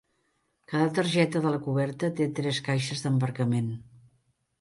Cada targeta de la coberta té tres caixes d'embarcament.